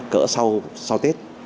cỡ sau sau tết